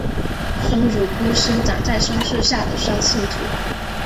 松乳菇生长在松树下的酸性土。